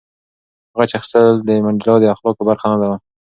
غچ اخیستل د منډېلا د اخلاقو برخه نه وه.